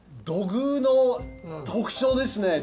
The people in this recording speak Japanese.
土偶の特徴ですね。